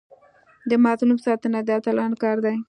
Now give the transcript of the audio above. د مظلوم ساتنه د اتلانو کار دی.